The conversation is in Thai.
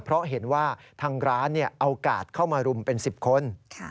เพราะเห็นว่าทางร้านเอากาดเข้ามารุมเป็น๑๐คน